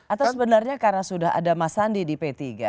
atau sebenarnya karena sudah ada mas sandi di p tiga